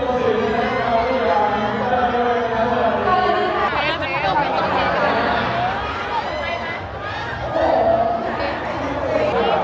อุ๊ยร้านมันหรือยัง